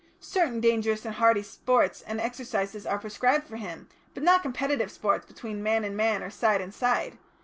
Certain dangerous and hardy sports and exercises are prescribed for him, but not competitive sports between man and man or side and side.